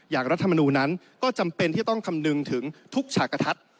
รัฐมนูลนั้นก็จำเป็นที่จะต้องคำนึงถึงทุกฉากกระทัด